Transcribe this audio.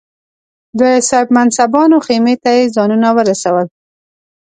د صاحب منصبانو خېمې ته یې ځانونه ورسول.